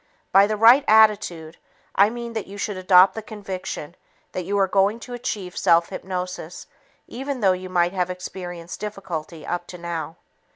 By the right attitude, I mean that you should adopt the conviction that you are going to achieve self hypnosis even though you might have experienced difficulty up to now.